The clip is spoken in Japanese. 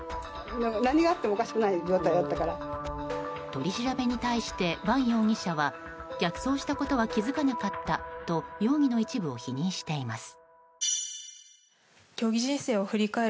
取り調べに対して伴容疑者は逆走したことは気づかなかったと容疑の一部を否認しています。